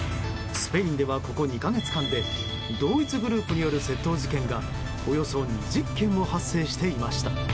スペインでは、ここ２か月間で同一グループによる窃盗事件がおよそ２０件も発生していました。